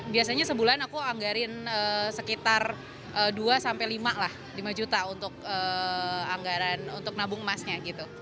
biasanya sebulan aku anggarin sekitar dua lima juta untuk nabung emasnya